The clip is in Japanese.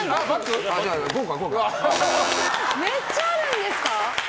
めっちゃあるんですか。